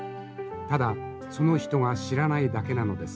ただその人が知らないだけなのです。